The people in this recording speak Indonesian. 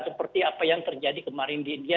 seperti apa yang terjadi kemarin di india